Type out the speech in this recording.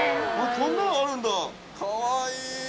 こんなのあるんだかわいい。